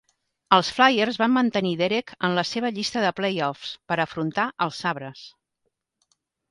Els Flyers van mantenir Derek en la seva llista de playoffs per afrontar als Sabres.